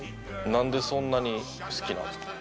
なんでそんなに好きなんですか？